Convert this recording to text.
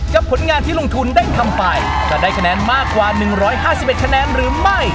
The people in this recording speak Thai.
กับผลงานที่ลุงทูนได้ทำไปจะได้คะแนนมากกว่าหนึ่งร้อยห้าสิบเอ็ดคะแนนหรือไม่